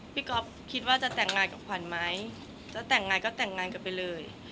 ก๊อฟคิดว่าจะแต่งงานกับขวัญไหมจะแต่งงานก็แต่งงานกันไปเลย